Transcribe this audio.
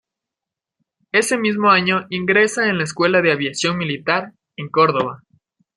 Ese mismo año ingresa en la Escuela de Aviación Militar en Córdoba.